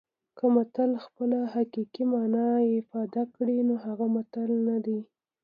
که متل خپله حقیقي مانا افاده کړي نو هغه متل نه دی